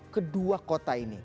kedua kota ini